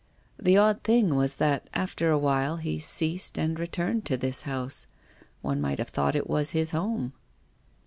The odd thing was that after a while he ceased and returned to this house. One might have thought it was his home."